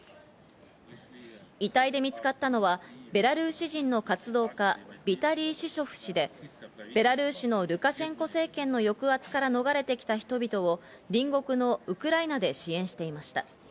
遺体で見つかったのはベラルーシ人の活動家、ビタリー・シショフ氏でベラルーシのルカシェンコ政権の抑圧から逃れてきた人々を隣国のウクライナで支援していました。